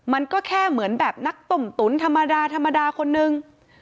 มันก็แค่เหมือนแบบนักตมตุ๋นธรรมดาคนหนึ่ง